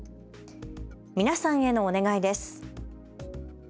皆さんへのお願いです。